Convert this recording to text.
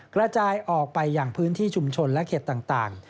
กระจายออกไปอย่างพื้นที่ชุมชนและเขตต่าง